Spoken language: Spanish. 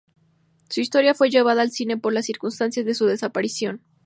Su historia fue llevada al cine por las circunstancias de su desaparición.